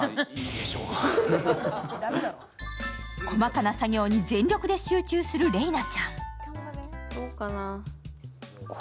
細かな作業に全力で集中する麗菜ちゃん。